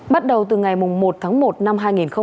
bắt đầu từ ngày một tháng một năm hai nghìn hai mươi